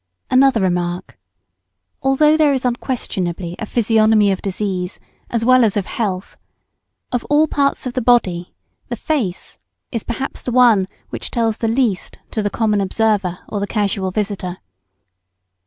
] Another remark: although there is unquestionably a physiognomy of disease as well as of health; of all parts of the body, the face is perhaps the one which tells the least to the common observer or the casual visitor.